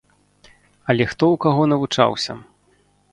Але хто ў каго навучаўся?